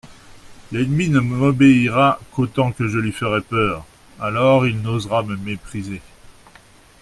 L'ennemi ne m'obéira qu'autant que je lui ferai peur, alors il n'osera me mépriser.